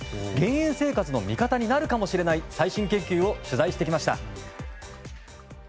減塩生活の味方になるかもしれない最新研究を取材してきました。